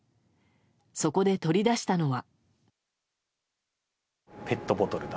そこで取り出したのは。